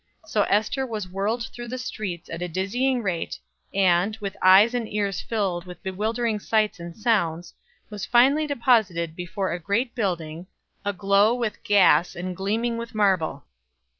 So Ester was whirled through the streets at a dizzying rate, and, with eyes and ears filled with bewildering sights and sounds, was finally deposited before a great building, aglow with gas and gleaming with marble.